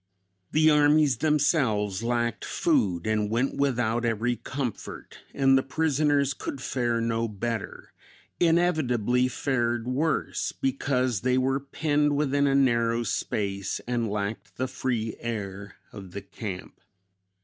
The armies themselves lacked food and went without every comfort, and the prisoners could fare no better inevitably fared worse, because they were penned within a narrow space and lacked the free air of the camp.